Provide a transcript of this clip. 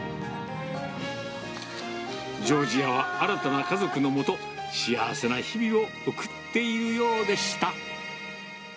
ジョージアは、新たな家族のもと、幸せな日々を送っているようでした。